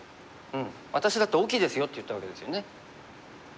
「私だって大きいですよ」って言ったわけですよね。